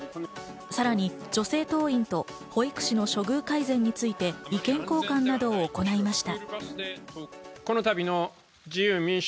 さらに女性党員と保育士の処遇改善について意見交換などを行いました。